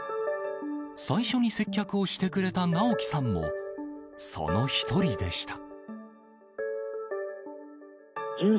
最初に接客をしてくれた尚樹さんも、その１人でした。